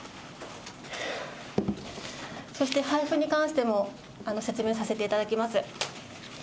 そして配布に関しても説明させていただきます。